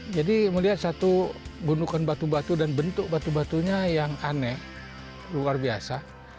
jadi melihat satu bundukan batu batu dan bentuk batu batunya yang aneh luar biasa